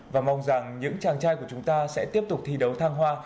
và mong rằng những chàng trai của chúng ta sẽ tiếp tục thi đấu thang hoa